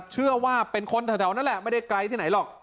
เชื่อว่าเป็นคนแถวนั่นแหละไม่ได้ไกลที่ไหนหรอก